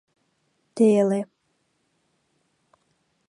Теле.